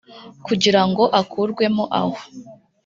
Kugira ngo akurwemo aho